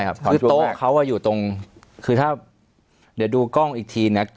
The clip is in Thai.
คือโต๊ะเขาอยู่ตรงคือถ้าเดี๋ยวดูกล้องอีกทีนะ